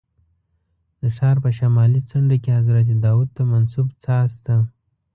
د ښار په شمالي څنډه کې حضرت داود ته منسوب څاه شته.